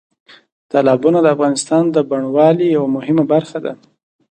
تالابونه د افغانستان د بڼوالۍ یوه مهمه برخه ده.